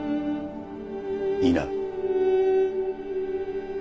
いいな。